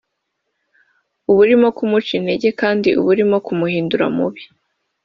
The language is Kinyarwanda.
uba urimo kumuca intenge kandi uba urimo kumuhindura mubi